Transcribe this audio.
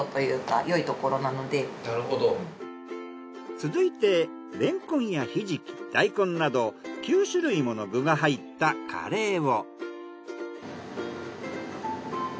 続いてレンコンやひじき大根など９種類もの具が入ったカレーを。